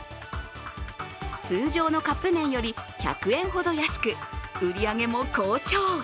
通常のカップ麺より１００円ほど安く売り上げも好調。